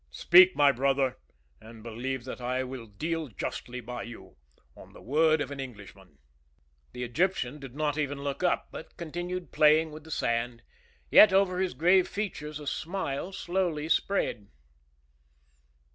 Speak, my brother, and believe that I will deal justly by you on the word of an Englishman." The Egyptian did not even look up, but continued playing with the sand. Yet over his grave features a smile slowly spread.